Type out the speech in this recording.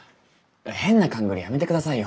変な勘ぐりやめて下さいよ。